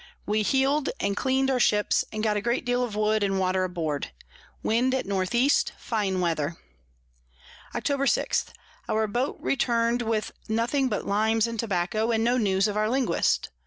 We heel'd and clean'd our Ships, and got a great deal of Wood and Water aboard. Wind at N E. fine Weather. Octob. 6. Our Boat return'd with nothing but Limes and Tobacco, and no News of our Linguist.